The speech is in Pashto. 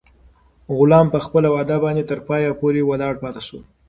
غلام په خپله وعده باندې تر پایه پورې ولاړ پاتې شو.